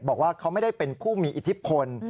บอกว่าเขาไม่ได้เป็นผู้มีอิทธิพล